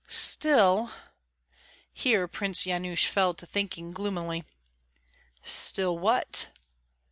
"Still " Here Prince Yanush fell to thinking gloomily. "Still, what?"